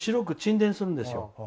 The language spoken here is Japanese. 溶けて白く沈殿するんですよ。